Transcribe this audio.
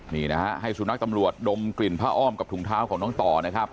นี่นะฮะให้สุนัขตำรวจดมกลิ่นผ้าอ้อมกับถุงเท้าของน้องต่อนะครับ